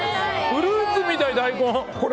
フルーツみたい、大根！